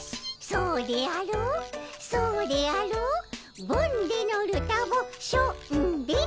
そうであろそうであろボんでのルタボしょんで！